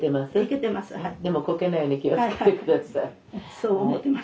そう思ってます。